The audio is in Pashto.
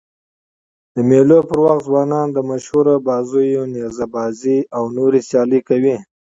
د مېلو پر وخت ځوانان د مشهورو بازيو: نیزه بازي او نورو سيالۍ کوي.